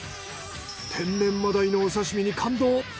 天然真鯛のお刺身に感動！